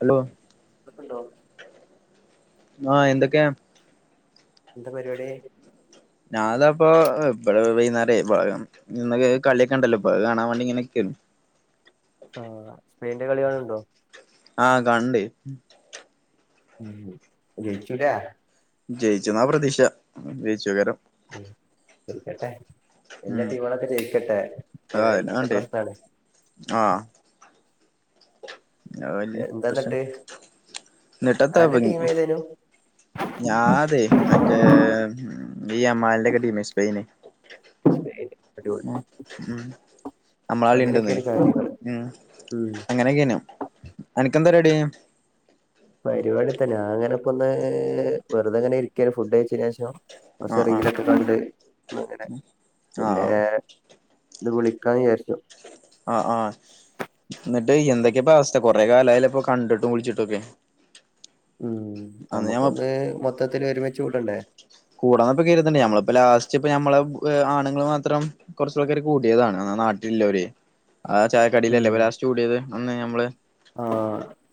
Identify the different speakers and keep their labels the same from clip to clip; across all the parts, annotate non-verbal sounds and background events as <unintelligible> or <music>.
Speaker 1: Hello
Speaker 2: ഇക്കണ്ടോ
Speaker 1: ആഹ് എന്തൊക്കെയാ
Speaker 2: ന്താ പരിപാടി.
Speaker 1: ഞാനപ്പോ ഇപ്പളെ വൈന്നാരെ പഴം ഇ ന്ന് കളിയൊക്കെണ്ടല്ലോ ഇപ്പം അത് കാണാൻ മാണ്ടിങ്ങനെ നിക്കെനു
Speaker 2: ആഹ്, സ്പെയിന്റെ കളി കാണല്ണ്ടോ?
Speaker 1: ആഹ് കണ്ട്.
Speaker 2: ഹ്മ്മ്, ജയിച്ചുലാ
Speaker 1: ജയിച്ചുന്നാ പ്രതീക്ഷ ജയിച്ചോകാരം.
Speaker 2: ഹ്മ്മ്, ജയിക്കട്ടെ എന്റെ
Speaker 1: ഉം
Speaker 2: ടീമെളൊക്കെ ജയിക്കട്ടെ. നിലനിൽപ്പിന്റെ പ്രശ്നാണ്.
Speaker 1: ആഹ <unintelligible> പ്രശ്നം
Speaker 2: എന്താന്നിട്ട് അന്റെ
Speaker 1: ഇന്നെട്ടെത്താപ്പം ഇനി
Speaker 2: ടീം ഏതേനു
Speaker 1: ഞാ അതെ മറ്റേ ഈ യമാൽന്റെ ഒക്കെ ടീമേ സ്പെയിന്.
Speaker 2: <inaudible>
Speaker 1: <unintelligible> അമ്മള ആളിണ്ട്ന്ന്
Speaker 2: അങ്ങനെയൊക്കെയാണ് കാര്യങ്ങള്
Speaker 1: ഉം
Speaker 2: ഉം
Speaker 1: അങ്ങനെയൊക്കെനു അനക്കെന്താര്ടി
Speaker 2: പരിവാടി എത്താ നാങ്ങനെപ്പൊന്ന് വെറുതങ്ങനെ ഇരിക്കായിരുന്നു ഫുഡഴിച്ചേനെഷം. കൊർച്ച്
Speaker 1: ആഹ് ആഹ്
Speaker 2: റീലൊക്കെകണ്ട് അങ്ങനെ പിന്നെ?
Speaker 1: ആഹ്
Speaker 2: ഇന്ന് വിളിക്കാന്ന് വിചാരിച്ചു.
Speaker 1: ആഹ്, ആഹ് ന്നിട്ട് എന്തൊക്കെ ഇപ്പോ അവസ്ഥ കൊറെ കാലായിലെ ഇപ്പൊ കണ്ടിട്ടും വിളിച്ചിട്ടും ഒക്കെ
Speaker 2: ഹ്മ്മ്
Speaker 1: ഞമ്മ
Speaker 2: നമുക്കൊന്ന് മൊത്തത്തില് ഒരുമിച്ച് കൂടണ്ടേ
Speaker 1: കൂടാന്ന പ്പ കര്ത്ണ്ട് ഞമ്മളിപ്പോ ലാസ്റ്റ് പ്പ നമ്മളെ ആണ്ങ്ങൾ മാത്രം. കൊറച്ചാൾക്കാര് കൂട്ടിയതാണ് അന്നാ നാട്ടിലില്ലോരെ, ആ ചായ കടിലല്ലേ ലാസ്റ്റ് കൂടിയത് അന്ന് നമ്മള്
Speaker 2: ആ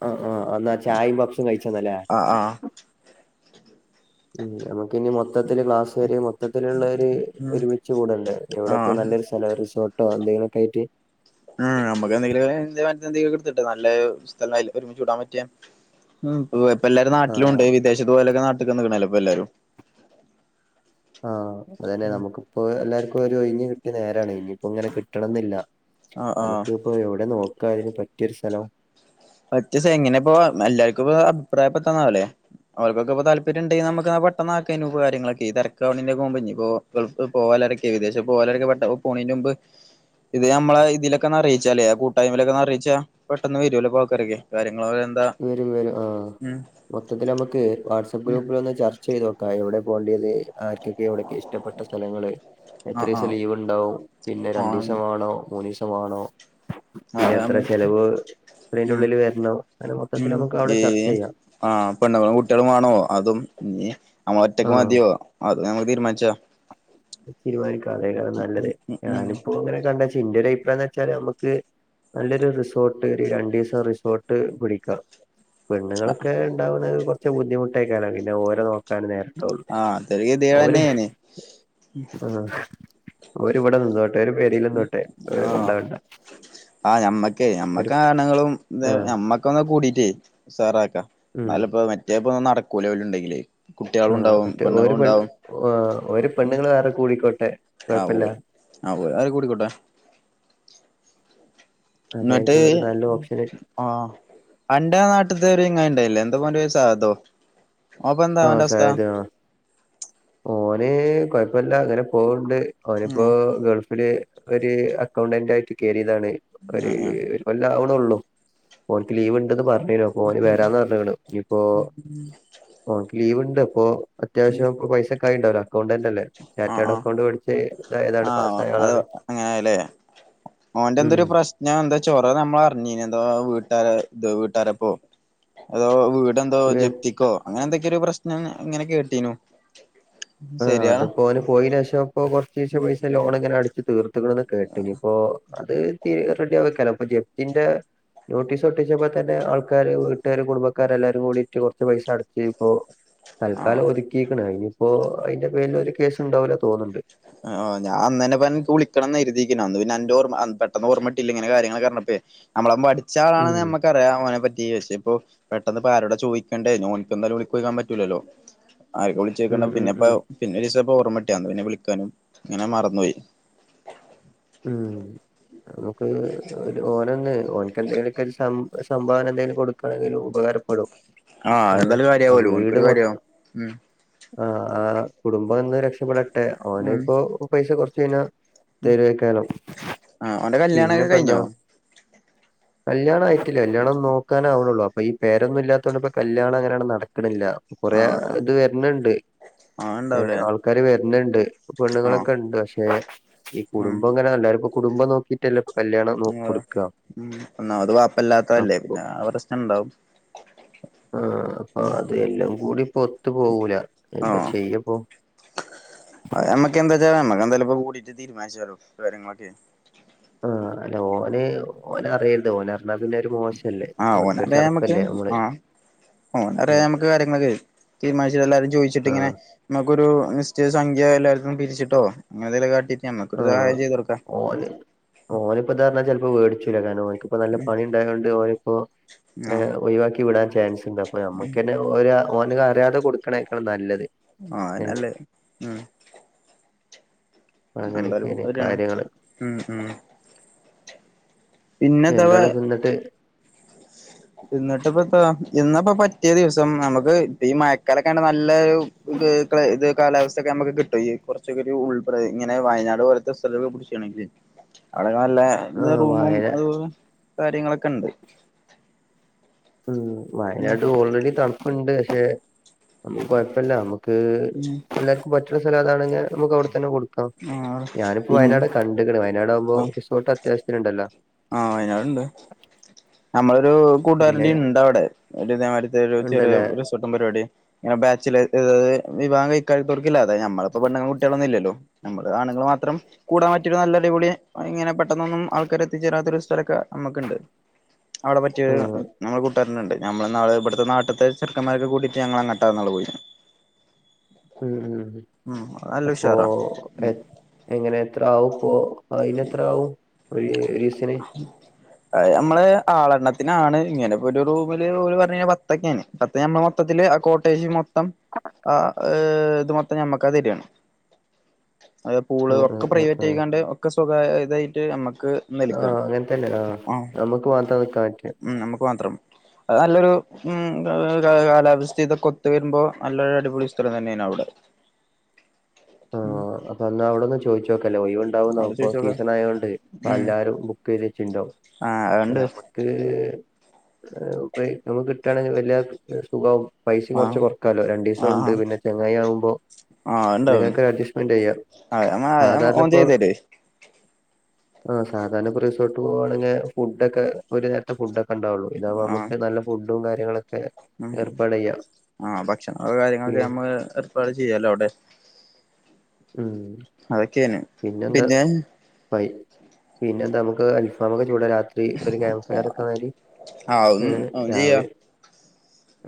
Speaker 2: ആ ആഹ്. അന്നാ ചായയും പഫ്സും കഴിച്ചന്ന്ല്ലേ?
Speaker 1: അഹ് ആഹ്
Speaker 2: ഉും നമുക്കിനി മൊത്തത്തില് ക്ലാസ് വരെ മൊത്തത്തിലുള്ളരു
Speaker 1: ഉം
Speaker 2: ഒരുമിച്ച് കൂടണ്ടേ?
Speaker 1: ആ
Speaker 2: എവിടെ ഇപ്പോ നല്ലൊരു- വല്ല റിസോട്ടോ എന്തെിലുമൊക്കായിട്ട്
Speaker 1: ആഹ നമുക്ക്ന്തെങ്കിലും ഇതേമാതിരിത്തെന്തേലുക്കെടുത്തിട്ട്. നല്ല സ്ഥലായീട് ഒരുമിച്ച് കൂടാൻ പറ്റിയെ ഹ്മ്മ് ഇപ്പ ഇപ്പൊ എല്ലാരും
Speaker 2: ആ
Speaker 1: നാട്ടിലുണ്ട്, വിദേശത്ത് പോയൊലൊക്കെ നാട്ടിക്ക് വന്ന്ക്ണല്ലോ ഇപ്പോ എല്ലാരും
Speaker 2: ആഹ് അത്രന്നെ, നമുക്കിപ്പോ എല്ലാർക്കും ഒരു ഒയിഞ്ഞ് കിട്ടിയ നേരാണ്. ഇനിപ്പോ ഇങ്ങനെ കിട്ടണംന്നില്ല.
Speaker 1: ആ ആ
Speaker 2: നമുക്ക് ഇപ്പോ എവ്ടെ നോക്കാ അതിന് പറ്റിയൊരു സ്ഥലം
Speaker 1: കോർചിസം എങ്ങനെപ്പോ എല്ലാർക്കും പ്പൊ അഭിപ്രായ പെട്ടന്നാവുല്ലേ? ഓല്ക്കൊക്കെ പ്പൊ താല്പര്യംണ്ടെനമുക്ന്ന പെട്ടന്നാക്കേനു കാര്യങ്ങളക്കെ ഈ തെരക്കാവുണേന്റൊക്കെ മുമ്പ് ഇനിപ്പോ ഗൾഫ് <unintelligible> ഏകദേശം <unintelligible> പോണേന്റെ മുമ്പ് ഇത് നമ്മളെ ഇതിലൊക്കൊന്നറിയിച്ചാലെ ആ കൂട്ടായ്മയിലൊക്കൊന്നറിയിച്ചാ പെട്ടൊന്ന് വരല്ലോ പാ <unintelligible>
Speaker 2: വരും വരും ആഹ്, മൊത്തത്തിലമ്മക്കെ വാട്സആപ്പ്
Speaker 1: ഉം
Speaker 2: ഗ്രൂപ്പിലൊന്ന് ചർച്ച ചെയ്യണം. ആഹ്, എവിടെ പോണ്ടിയെത് ആർക്കൊക്കെ എവിടെക്കെ ഇഷ്ട്ടപ്പെട്ട സ്ഥലങ്ങള്.
Speaker 1: ആഹ്
Speaker 2: എത്രീസം
Speaker 1: ആഹ്
Speaker 2: ലീവ് ഉണ്ടാവും, പിന്നെ
Speaker 1: ആഹ്
Speaker 2: രണ്ടീസം വാണോ, മൂന്നീസം വാണോ?
Speaker 1: അതാ
Speaker 2: എത്ര
Speaker 1: നമ്മള്
Speaker 2: ചെലവ് ഇതിന്റെ ഉള്ളില് വരണം അങ്ങനെ മൊത്തത്തിൽ നമുക്ക് അവിടെ ചർച്ച ചെയ്യാം
Speaker 1: <unintelligible> ആഹ പെണ്ണുങ്ങളും കുട്ടിളും വാണോ അതും ഇഞ്ഞി ഞമ്മള് ഒറ്റക്ക് മതിയോ?
Speaker 2: ആഹ്
Speaker 1: അത് ഞമ്മക്ക് തീര്മാൻച്ചാ
Speaker 2: തീരുമാനിക്കാ അതേകാരം നല്ലത്.
Speaker 1: ഉം ഉം ഉം
Speaker 2: ഞാനിപ്പോ ഇങ്ങനെ കണ്ടേച്ച് ഇന്റൊരഭിപ്രായം എന്താച്ചാല് നമ്മക്ക് നല്ലൊരു റിസോട്ട് ഒരു രണ്ടീസം റിസോട്ട് പിടിക്ക. പെണ്ണ്ങ്ങളൊക്കെ ഇണ്ടാവുന്നുന്നത് കൊറച്ച് ബുദ്ധിമുട്ടേക്കാരം പിന്നെ ഓലെ നോക്കാന് നേര
Speaker 1: ആഹ് അതൊരു
Speaker 2: <inaudible> ഓര്ഹ്
Speaker 1: ഗതികേടെന്നേണ്
Speaker 2: ആഹ്, ഓര് ഇവടെ നിന്നോട്ടെ ഓര് പെരിലിന്നോട്ടെ ഓരെ കൊണ്ടോവണ്ട.
Speaker 1: ആഹ ഞമ്മക്കേ ഞമ്മക്ക് ആണ്ങ്ങളും ത്
Speaker 2: ആഹ്
Speaker 1: ഞമ്മ <unintelligible> കൂടീട്ടെ ഉസാറാക്ക.
Speaker 2: ഉം
Speaker 1: ന്നാലലെപ്പോ മറ്റേപ്പൊ നടക്കൂല ഓലിണ്ടെങ്കിലേ കുട്ട്യാളുണ്ടാവും, പെണ്ണുങ്ങളുണ്ടാവും.
Speaker 2: ഓ ഓര് പെണ്ണ്ങ്ങള് വേറെ കൂടിക്കോട്ടെ?
Speaker 1: ആ
Speaker 2: കുഴപ്പല്ല
Speaker 1: ഓര് ആ ഓര് അരെ കൂടിക്കോട്ടെ ന്നിട്ട്..
Speaker 2: അതായിരിക്കും ഒരു നല്ല ഓപ്ഷന്
Speaker 1: ആഹ് അന്റെ നാട്ടത്തോരു ചങ്ങായിണ്ടായില്ലേ എന്താ ഓൻ്റെ പേര് സഹതോ ഓ അപ്പൊ എന്താ
Speaker 2: ആഹ്
Speaker 1: വന്റെ അവസ്ഥ
Speaker 2: സായത് ആ ഓന് കൊഴപ്പില്ല അങ്ങനെ പോവണ്ട്
Speaker 1: ഉം
Speaker 2: ഓനിപ്പോ ഗൾഫില് ഒരു അക്കൗണ്ടന്റ് ആയിട്ട് കയറിയതാണ് ഒരു
Speaker 1: ആഹ്
Speaker 2: കൊല്ലാവണുള്ളു ഓനിക്ക് ലീവ് ഇണ്ടന്ന് പറഞ്ഞെനു അപ്പൊ ഓന് വരാന്ന് പറഞ്ഞേക്കണ് ഇപ്പോ ഓനിക്ക് ലീവ് ഇണ്ട് അപ്പൊ അത്യാവശ്യം പൈസക്കായ ഉണ്ടാവല്ലോ അക്കൗണ്ടന്റ് അല്ലേ
Speaker 1: ആഹ്
Speaker 2: ചാറ്റേഡ്
Speaker 1: ആഹ് ആഹ്
Speaker 2: അക്കൗണ്ട് പഠിച്ച ഏതാണ് പാസ്സായ ആളാണ്
Speaker 1: അവന്റെ എന്തൊരു പ്രശ്നം ഞാൻ എന്താ ചോറ് നമ്മൾ അറിഞ്ഞീന എന്താ വീട്ടുകാര ഇത് വീട്ടുകാര പോ അതോ വീട്ന്തോ
Speaker 2: ഉം
Speaker 1: ജപ്തിക്കോ അങ്ങനെ എന്തൊക്കെയൊ ഒരു പ്രശ്നം ഇങ്ങനെ ഇങ്ങനെ കേട്ടീനു
Speaker 2: ആഹ്
Speaker 1: ശരിയാ
Speaker 2: അതിപ്പോ ഓന് പോയിനശേഷം ഇപ്പോ കൊറേശ കൊറേശ ലോണ് ഇങ്ങനെ അടച്ച് തീർത്തക്കണന്ന് കേട്ടു ഇനിപ്പോ അത് റെഡിയാവും കാരണം ഇപ്പൊ ജപ്തിന്റെ നോട്ടീസ് ഒട്ടിച്ചപ്പോ തന്നെ ആൾക്കാര് വീട്ടുകാരും കുടുംബക്കാരും എല്ലാരും കൂടിട്ട് കുറച്ച് പൈസ അടച്ച് ഇപ്പൊ
Speaker 1: ആഹ്
Speaker 2: തൽക്കാലം ഒതുക്കിക്കണ് ഇനിയിപ്പോ അയിൻ്റെ പേരിലൊരു കേസ് ഉണ്ടാവൂല തോന്നണുണ്ട്
Speaker 1: ആ ആ ഞാ അന്നന്നെ വിളിക്കണംന്നു കരുതിയിക്കണം അന്ന് പിന്നെ അന്റെ ഓർമ്മ അന്ന് പെട്ടന്ന് ഓർമ്മ കിട്ടിയില്ല ഇങ്ങനെ കാര്യങ്ങളൊക്കെ അറിഞ്ഞപ്പെ നമ്മളെ മടിച്ചാളാണ്
Speaker 2: ഉം
Speaker 1: നമ്മക്ക് ക്കറിയാ അവനെ പറ്റി പക്ഷേ ഇപ്പൊ പെട്ടെന്ന് പ്പ ആരോടാ ചോയിക്കണ്ടേ ന്നെ ഓനിക്ക് എന്താലും വിളിക്കോയ്ക്കാൻ പറ്റൂല്ലല്ലോ ആര്ക്കും
Speaker 2: ഉം
Speaker 1: വിൾച്ചോക്കണ്ട,
Speaker 2: ഉം
Speaker 1: പിന്നെപ്പ
Speaker 2: ഉം
Speaker 1: പിന്നെരീസപ്പ ഓർമ്മട്ട്യന്ന് പിന്നെ വിളിക്കാനും ങ്ങനെ മറന്നോയി.
Speaker 2: ഉം, നമുക്ക് ഒരു ഓനന്ന് ഓൻക്കെന്തെലെക്കെ ഒരു സം രു സംഭാവന എന്തേലും കൊടുക്കണെങ്കിലും ഉപകാരപ്പെടും.
Speaker 1: ആഹ്
Speaker 2: പിന്നെ
Speaker 1: എന്തായാലും
Speaker 2: ആ
Speaker 1: കാര്യാവല്ലോ
Speaker 2: വീട്
Speaker 1: ഓൻക്കൊരു
Speaker 2: മൊ
Speaker 1: കാര്യാവും ഉം
Speaker 2: ആ ആ ആ കുടുംബം ഒന്ന് രക്ഷപെടട്ടെ, ഓന്
Speaker 1: ഉം
Speaker 2: പ്പോ പൈസ കൊറ്ച്ച് കയിഞ്ഞാ തരുവായിരിക്കും.
Speaker 1: ആ ഓന്റെ കല്യാണൊക്കെ കയിഞ്ഞോ?
Speaker 2: കല്യാണായിട്ടില്ല്യ. കല്ല്യാണം നോക്കാനാവ് ണൊള്ളൂ, അപ്പൊ ഈ പേരൊന്നും ഇല്ല്യാതൊണ്ട്പ്പൊ കല്യാണങ്ങനണ്ട് നടക്ക് ണില്ല്യ. കൊറേ
Speaker 1: ആഹ്
Speaker 2: ത് വെര്ണ് ണ്ട്.
Speaker 1: ആഹ്
Speaker 2: ഏ
Speaker 1: ഇണ്ടാവൂലേ
Speaker 2: ആൾക്കാര് വെര്ണ് ണ്ട്,
Speaker 1: ആഹ്
Speaker 2: പെണ്ണുങ്ങളൊക്കെണ്ട്. പക്ഷേ ഇ
Speaker 1: ഉം
Speaker 2: കുടുംബംങ്ങനെ, എല്ലാരുപ്പം കുടുബം നോക്കീട്ടല്ലെ കല്ല്യാണം.
Speaker 1: ആ ഉം ഒന്നാമത്
Speaker 2: അപ്പ
Speaker 1: വാപ്പല്ലാത്തല്ലേ, പിന്നെ ആ പ്രശ്നണ്ടാവും.
Speaker 2: <inaudible> ആഹ് അ അതെല്ലം കൂടിപ്പൊത്ത്പോകൂല, എന്താ ചെയ്യപ്പം?
Speaker 1: അഅ് അമ്മക്കെന്താച്ചാ അമ്മക്ക് എന്തായാലുപ്പം കൂടിട്ട് തീരുമാനിച്ച. <unintelligible> കാര്യങ്ങളൊക്കെ,
Speaker 2: ആഹ്, അല്ല ഓന് ഓനറിയര്ത്. ഓന ന്നാ പിന്നെ അഒരു മോശല്ലേ,
Speaker 1: ആഹ്
Speaker 2: മക്ക് ചടപ്പല്ലേ അമ്മള്
Speaker 1: ഓ, <unintelligible> അമ്മക്ക് കാര്യങ്ങളൊക്കെയ് തീരുമാനിച്ച് എല്ലാരോടും
Speaker 2: ആ
Speaker 1: ചോയിച്ചിട്ടിങ്ങനെ മ്മക്കൊരു നിശ്ചയ സംഖ്യാ എല്ലാട്ത്തും പിരിച്ചിട്ടോ, അങ്ങനെന്തേലും കാട്ടി
Speaker 2: ആഹ് ഓന്, ഓനിപ്പതർണാ ചെൽപ്പോ വേട്ച്ചൂലാ. കാര്ണം, ഓൻക് ഇപ്പ നല്ല പണി ണ്ടായോണ്ട് ഓനിപ്പോ
Speaker 1: ഉം
Speaker 2: ഏ
Speaker 1: ആഹ്
Speaker 2: ഒയിവാക്കി വിടാൻ ചാൻസ്ണ്ട്. അപ്പൊ
Speaker 1: ഉം
Speaker 2: ഞമ്മക്കെന്നെ ഓരെ ഓന് അറിയാണ്ടെ കൊട്ക്കണേക്കാളും നല്ലത്.
Speaker 1: ആ
Speaker 2: ഏഹ്
Speaker 1: ആന്നെല്ലെ, ഉം എന്തായാലും
Speaker 2: പ്പങ്ങനൊക്കെെനി
Speaker 1: ശരിയാണ്
Speaker 2: കാര്യങ്ങള്.
Speaker 1: ഉം ഉം പിന്നെത്താ
Speaker 2: എന്താണ് തിന്ന്ട്ട്
Speaker 1: ഇന്നിട്ട്പ്പപ്പെളാ, ഇന്നപ്പോ പറ്റ്യ ദിവസം, അമ്മക്ക് ഈ മയക്കാലൊക്കാണ്ട് നല്ലൊരു ഇൻക് <unintelligible> <unintelligible> ഇദ് കാലാവസ്ഥൊക്കെ അമ്മക്ക് കിട്ടും. ഈ കൊർച്ചൊക്കൊര് ഉൾ പ്രദേ ഇങ്ങനെ വയനാട് പോലത്തെ സ്ഥലൊക്കെ പുട്ച്ചാണെങ്കി. ക അവടെക്കെ നല്ലെ
Speaker 2: ആഹ്
Speaker 1: റൂമും,
Speaker 2: വയന
Speaker 1: അതുപോലെ കാര്യങ്ങളൊക്കെണ്ട്.
Speaker 2: ഉം, വയനാട്ട് ഓൾറെഡി തണ്പ്പ്ണ്ട്, പഷെ അമ്മക്ക് കൊയപ്പല്ല. അമ്മ അ്,
Speaker 1: ഉം
Speaker 2: എല്ലാര്ക്കും പറ്റ്ണ സ്ഥലതാണെങ്കെ അമ്മക്ക് അവ്ടെതന്നെ കൊട്ക്കാം.
Speaker 1: ഉം ആഹ്
Speaker 2: ഞാന്പ്പോ
Speaker 1: ഇൻ
Speaker 2: വയനാട് ക ക്ണ്. വയനാടാവുമ്പോ
Speaker 1: ആഹ്
Speaker 2: റിസോട്ടത്യാവശ്യത്തിന്ണ്ടല്ലാ.
Speaker 1: ആഹ്, വയനാട്ണ്ട്. അമ്മളൊരു
Speaker 2: പിന്നെ
Speaker 1: കൂട്ടുകാരൻ്റിംണ്ടവടെ, ഒരു ഇതേമാരത്തൊരു ചെറിയൊ
Speaker 2: ഉണ്ടല്ലേ
Speaker 1: രു ത്തും പരുവാടി ഏ ബാച്ചില് <unintelligible> വിവാഹം കഴി കഴ്ത്തോട്ക്കില്ല. അതെ ഞമ്മളിപ്പൊ പെണ്ണുങ്ങളും കുട്ട്യളൊന്നും ഇല്ല്യല്ലോ, നമ്മള് ആണുങ്കൾ മാത്രം കൂടാൻ പറ്റിയഒരു നല്ല അടിപൊളി ക പ്പഇങ്ങനെ പെട്ടെന്നൊന്നും ആൾക്കാര് എത്തിച്ചേരാത്തൊരൊരു സ്ഥലൊക്കെ അമ്മക്ക്ണ്ട്. അവടെ പറ്റിയ
Speaker 2: ആഹ്
Speaker 1: ഉം നമ്മളെ കൂട്ടാരന്ണ്ട്. ഞമ്മള് ന്നാള് ബട്ത്തെ നാട്ട്ത്തെ ചെർക്കമ്മാരൊക്ക കൂട്ടിട്ട് ഞങ്ങളങ്ങട്ടാന്നാള് പോയിനെ.
Speaker 2: ഉം, ഉം, ഉം.
Speaker 1: അത് നല്ല
Speaker 2: അപ്പോ
Speaker 1: ഉഷാറാ
Speaker 2: എ എങ്ങനെ എത്രാവും പോ അയിനെത്രാവും ഒരീ ഒരീസ്തിന്.
Speaker 1: അഅ് അമ്മളെ ആളെണ്ണത്തിനാണ്, ഇങ്ങനെപ്പൊര് റൂമില് ഓര്പറഞ്ഞീനെ പത്തൊക്കെനി. അപ്പ ഞമ്മളെ മൊത്തത്തില് ആ കോട്ടേജ് മൊ ത്തം ആ ഏ ത് മൊത്തം ഞമ്മക്കാതെരാണ്. അതെ, പൂള്
Speaker 2: ആഹ്
Speaker 1: ഒക്കെ
Speaker 2: ആഹ് ആഹ് ആഹ്
Speaker 1: പ്രൈവറ്റെയ്കാണ്ട് ഒക്കെ സ്വകാര് തായിട്ട് അമ്മക്ക്
Speaker 2: ആഹ്
Speaker 1: നല്കാണ്.
Speaker 2: അങ്ങനെ തന്നെ ആഹ്
Speaker 1: ആഉം
Speaker 2: നമുക്ക് മാത്രം നിക്കാൻ പറ്റിയ
Speaker 1: ഉം നമ്മക്ക് മാത്രം. അത് നല്ലൊരു ഉം <unintelligible> കാലാവസ്ഥിതൊകൊത്ത് വെര്മ്പോ നല്ലൊരു അടിപൊളി സ്ഥലം തന്നെനു അവ്ടെ.
Speaker 2: ആഹ് അപ്പൊ അന്നാവിടൊന്ന് ചു ചോയിച്ചോക്കല്ലേ, ഒയിവ്ണ്ടാവോന്നോ
Speaker 1: അവിടെ
Speaker 2: പ്പം
Speaker 1: ചോദിച്ചോക്കെ
Speaker 2: സീസണായോണ്ട് പ്പ അല്ലാരും ബുക്കെയ്ത ച്ചിണ്ടോ
Speaker 1: ആഹ് അ അണ്ട്
Speaker 2: ക്ക് <unintelligible> നമക്ക് കിട്ടാണെങ്കി വെല്ല്യ സുഖാവും. പൈസിം
Speaker 1: ആ
Speaker 2: കുറച്ച് കൊറക്കാലോ, രണ്ടു
Speaker 1: ആ
Speaker 2: ദിവസം ഉണ്ട്
Speaker 1: ആ
Speaker 2: പിന്നെ ചെങ്ങായിം ആകുമ്പോ
Speaker 1: ആ ഉണ്ടാവും
Speaker 2: പിന്നെങ്ങനൊക്കെ അഡ്ജസ്റ്റ് മെന്റ് ചെയ്യാം,
Speaker 1: ആ
Speaker 2: സാധാരണ
Speaker 1: ഓൻ
Speaker 2: ഇപ്പോ
Speaker 1: ചെയ്തരും
Speaker 2: ആഹ്, സാധാരണ ഇപ്പോ റിസോർട്ട് പോുകവാണെങ്കിൽ ഫുഡോക്കെ ഒരു നേരത്തെ ഫുഡ് ഒക്കെ ഉണ്ടാവുള്ളു. ഇതാവ്പ
Speaker 1: ആ
Speaker 2: നമുക്ക് നല്ല ഫുഡും കാര്യങ്ങളൊക്കെ
Speaker 1: ഉം,
Speaker 2: ഏർപ്പാട് ചെയ്യാം
Speaker 1: ആ ഭക്ഷണങ്ങൾ, കാര്യങ്ങളൊക്കെ
Speaker 2: ഉം
Speaker 1: നമ്മൾ ഏർപ്പാട് ചെയ്യല്ലോ അവിടെ.
Speaker 2: ഉം
Speaker 1: അതൊക്കെനെ.
Speaker 2: പിന്നെന്ത, പൈ, പിന്നെ നമുക്ക് അൽഫമൊക്കെ ചൂടാ രാത്രി. ഒരു ക്യാമ്ബ് ഫയർ ഒക്കെ മാരി
Speaker 1: ആഹ് അതൊന്നും അതും
Speaker 2: രാവി
Speaker 1: ചെയ്യാം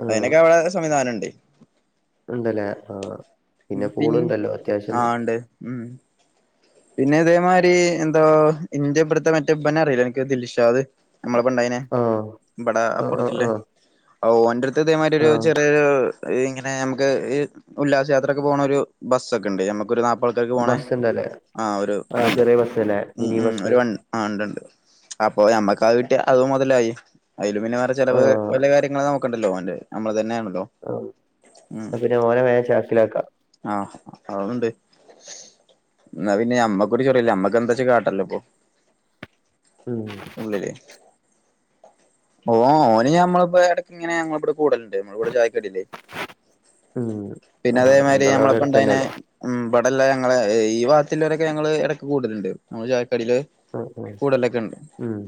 Speaker 1: അതിനൊക്കെ അവിടെ സംവിധാനം ഉണ്ട്.
Speaker 2: ഉണ്ടല്ലേ, ആഹ് പിന്നെ
Speaker 1: പിൻ
Speaker 2: പൂളുണ്ടല്ലോ അത്യാവശ്യം
Speaker 1: ആഹ് ഉണ്ട് ഉം. പിന്നെ അതേമാതിരി എന്തോ, ഇന്റെ ഇപ്പറത്തെ മറ്റേ ബ്നെ അറിയിലെ അനക്ക് മറ്റേ ദിൽഷാത്, നമ്മളപണ്ടായിനെ.
Speaker 2: ആഹ്
Speaker 1: ബടെ,
Speaker 2: ആഹ് ആഹ്
Speaker 1: അപ്പറത്തിെല്ലേ.
Speaker 2: ആഹ്
Speaker 1: ഓ ഓന്റെ അടുത്ത് ഇതേ മാരി ഒരു
Speaker 2: ആഹ്
Speaker 1: ചെറിയൊരു ഇങ്ങനെ നമുക്ക് ഈ ഉല്ലാസയാത്രൊക്കെ പോണഒരു ബസ്സൊക്കെ ഉണ്ട്, നമുക്കൊരു നാപ
Speaker 2: ബസ്സ്ണ്ടല്ലേ, ആ ചെറിയ ബസ്ല്ലേ മിനി ബസ്സ്
Speaker 1: ആഹ്, ഉണ്ട്ണ്ട് അപ്പൊ ഞമ്മക്ക അത് കിട്ടിയ അത് മുതലായി. അതിൽ, പിന്നെ വേറെ ചിലവ്
Speaker 2: ആഹ്
Speaker 1: വല്യ കാര്യങ്ങളൾ ഒക്കെ നോക്കണ്ടല്ലോ, നമ്മള് തന്നെയണല്ലോ.
Speaker 2: ആഹ്, അതുശരി, ഓന വേഗം ചാക്കിലാക്കാം.
Speaker 1: ആഹ്, അതുണ്ട്. ന്ന, പിന്നെ നമ്മക്കൊരു ചൊറായില്ല, നമ്മക്ക് എന്താച്ചാ കാട്ടല്ലോപ്പോ.
Speaker 2: ഉം.
Speaker 1: ഉള്ളില്ലേ. ഓ, ഓന് ഞമ്മളിപ്പോ ഇടക്ക ഇങ്ങനെ ഞ ഇവിടെ കൂടലുണ്ട്, നമ്മൾ ഇവിടെ ചായ്ക്കടലെ.
Speaker 2: ഉം
Speaker 1: പിന്നെ
Speaker 2: ആഹ്
Speaker 1: അതേമാരി
Speaker 2: നിങ്ങളവിടെ
Speaker 1: നമ്മളപ്പണ്ടായിനെ
Speaker 2: അടുത്തന്നെല്ലേ
Speaker 1: ഉം, ഇബടല്ലെ ഞങ്ങളെ, ഈ വാത്തിലവരൊക്കെ ഞങ്ങള് ഇടക്ക് കൂടുലണ്ട് നമ്മള് ചായക്കാടില്.
Speaker 2: ആഹ് ആഹ്
Speaker 1: കൂടലൊക്കെ ഉണ്ട്.
Speaker 2: ഉം ഉം ഉം.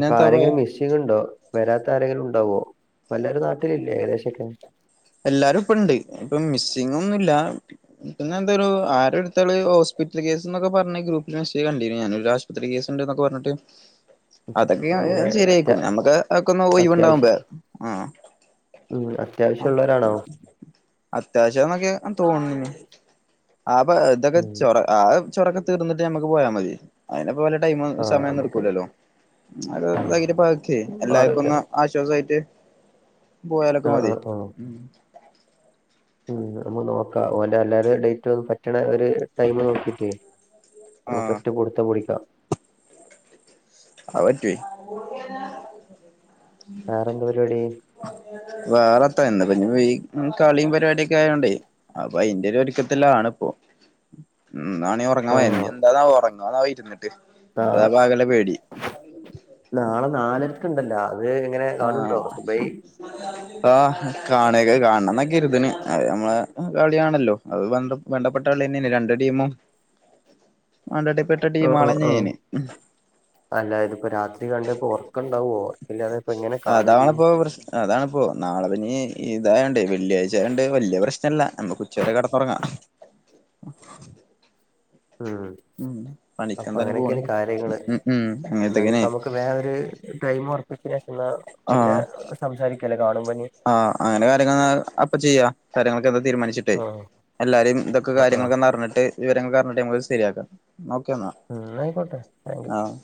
Speaker 2: ഇപ്പൊ ആരെങ്കിലും മിസ് ചെയ്യണ്ടോ, വരാത്ത ആരെങ്കിലും ഉണ്ടാവോ എല്ലരും നാട്ടിലില്ലേ ഏകദേശംക്കെ.
Speaker 1: എല്ലാരും ഇപ്പ ഇണ്ട്, ഇപ്പൊ മിസ്സിങ്ങ ഒന്നുമില്ല. പിന്നെ എന്തോ ഒരു ആരോ ഒരുത്തൻ ഹോസ്പിറ്റൽ കേസ് എന്നൊക്കെ പറഞ്ഞ ഗ്രൂപ്പിൽ മെസ്സേജ് കണ്ടിന് ഞാന് ലാസ്റ്റ്. <unintelligible> എന്നക്കെ പറഞ്ഞട്ട് അതൊക്കെ
Speaker 2: അങ്ങനെ അത്യാ
Speaker 1: ശരിയായിക്കും നമ്മക്ക് അതക്കെ ഒന്ന്
Speaker 2: അത്യാവശ്യം
Speaker 1: ഒഴിവ്ണ്ടാകുമ്പളെ ആഹ്
Speaker 2: ഉം അത്യാവശ്യം ഉള്ളവരാണോ?
Speaker 1: അത്യാവശ്യംന്നൊക്കെ തോന്നിനി, ആപ്പൊ ഇതൊക്കെ
Speaker 2: ഉം
Speaker 1: ചൊറ. ആ ചൊറൊക്കെ തീർന്നിട്ട് നമ്മക്ക് പോയാ മതി. അയിനിപ്പോ വല്ല ടൈം
Speaker 2: ആഹ്
Speaker 1: സമയന്നും
Speaker 2: നമുക്ക്
Speaker 1: ഇടക്കൂലല്ലോ, <unintelligible>
Speaker 2: ഉം മാറി
Speaker 1: എല്ലാവർക്കും ഒന്ന്
Speaker 2: നിക്കണം.
Speaker 1: ആശ്വാസമായിട്ട് പോയാലൊക്കെ
Speaker 2: ആഹ്
Speaker 1: മതി.
Speaker 2: ആഹ് ആഹ് ഉം, നമ്മ നോക്കാം ഓലെ എല്ലാരിം ഡേറ്റ് പറ്റണ ഒരു ടൈം നോക്കിട്ടേ. നമുക്ക്
Speaker 1: ആഹ്
Speaker 2: ഒറ്റ പുടിതം പുടിക്കാം.
Speaker 1: അത് പറ്റൊയ്.
Speaker 2: വേറെന്താ പരിപാടി?
Speaker 1: വേറെത്താ ഇന്ന് കളിയും പരിപാടിയൊക്കെ ആയോണ്ടേ. അപ്പൊ അയിന്റെ ഒരു ഒരുക്കത്തിൽ ആണപ്പാ <unintelligible> <unintelligible>
Speaker 2: ആഹ്
Speaker 1: ഇഞ്എന്താ ന്നാവോ? ഉറങ്ങ <unintelligible> ന്നരിട്ട്,
Speaker 2: നാ
Speaker 1: അതാപ്പകല്ല പേടി.
Speaker 2: നാളെ നാലരക്ക ഉണ്ടല്ലോ അത് എങ്ങനെ കാണുണ്ടോ സുബൈ
Speaker 1: മം ആഹ്, കാണ <unintelligible> കാണണംന്ന കരുതിണ്, അത് നമ്മളെ കളിയാണല്ലോ <unintelligible> വേണ്ടപ്പെട്ട കളിതന്നെയല്ലേ രണ്ട് ടീമും അഡ്രോടയ്പേട്
Speaker 2: ഒഹ് ഒഹ് ഒഹ് അല്ലാതിപ്പോ രാത്രി കണ്ട്പ്പോ ഒക്ക ഇണ്ടാവോ ഇല്ല എഅപ്പ എങ്ങനെ കാണയ്യി
Speaker 1: അതാണ്പ്പോ നാളപ്പിന്നി ഇതായാണ്ടെ വെള്ളിയാഴ്ചായാണ്ട് വല്ല്യ പ്രശ്നല്ല നമുക്ക് ഉച്ച വരെ കെടന്നുറങ്ങാ
Speaker 2: ഉം
Speaker 1: ഉം പണിക്കെന്തായാലും പോണ്
Speaker 2: അപ്പഅങ്ങനെക്കെണ് കാര്യങ്ങള്
Speaker 1: ഉം ഉം
Speaker 2: എന്നാനിപ്പോ
Speaker 1: അങ്ങനത്തെക്കെനെ
Speaker 2: അമുക്ക് വേറെ ഒര് ടൈം ഒറപ്പിച്ചീനെഷന്നാ പിന്നെ
Speaker 1: ആഹ്
Speaker 2: സംസാരിക്കല്ലെ കാണുമ്പോനി
Speaker 1: ആഹ് അങ്ങനെ കാര്യങ്ങള്ന്നാ അപ്പ ചെയ്യാ കാര്യങ്ങളൊക്കെന്ന് തീരുമാനിച്ചി ട്ട്
Speaker 2: ആഹ്
Speaker 1: എല്ലാരിം ഇതൊക്കെ
Speaker 2: ആഹ് ആഹ്
Speaker 1: കാര്യങ്ങളൊക്കെ ന്നർഞ്ഞിട്ട് വിവരങ്ങളൊക്കെ അർഞ്ഞിട്ട് നമക്ക് ‌ശരിയാക്കാ ന്നാഒക്കെന്നാ
Speaker 2: ഉം ന്നാആയിക്കോട്ടെ താങ്ക്
Speaker 1: ആഹ്